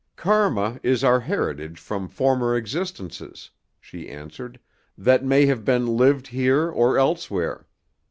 "Karma is our heritage from former existences," she answered, "that may have been lived here or elsewhere.